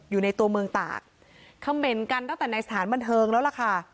อยู่ในตัวเมืองตากคำเหม็นกันตั้งแต่ในสถานบันเทิงแล้วล่ะค่ะ